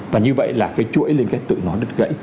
và như vậy là cái chuỗi liên kết tự nó đứt gãy